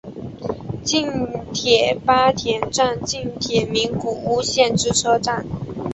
近铁八田站近铁名古屋线之车站。